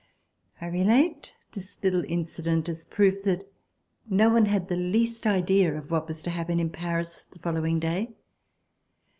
I relate this little incident as proof that no one had the least idea of what was to happen in Paris the following day.